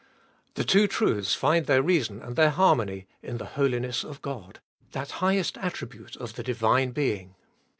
The two truths find their reason and their harmony in the holiness of God, that highest attribute of the divine Being.